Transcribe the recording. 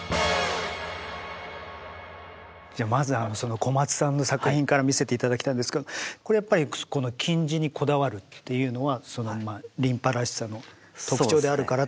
じゃあまずはその小松さんの作品から見せて頂きたいんですけどこれやっぱりこの金地にこだわるっていうのはその琳派らしさの特徴であるからっていうのと。